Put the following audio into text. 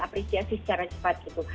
apresiasi secara cepat